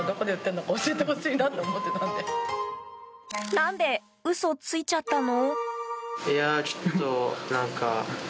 何で、嘘ついちゃったの？